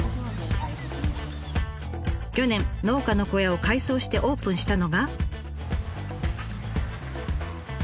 去年農家の小屋を改装してオープンしたのが。